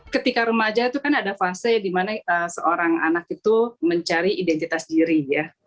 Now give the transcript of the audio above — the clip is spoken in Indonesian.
ketika remaja itu kan ada fase dimana seorang anak itu mencari identitas diri ya